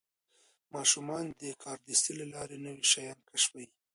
ماشومان د کاردستي له لارې نوي شیان کشفوي.